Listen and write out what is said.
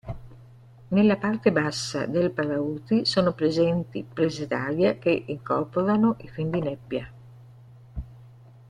Nella parte bassa del paraurti sono presenti prese d'aria che incorporano i fendinebbia.